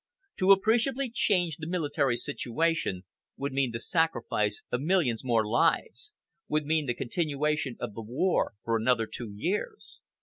To appreciably change the military situation would mean the sacrifice of millions more lives, would mean the continuation of the war for another two years.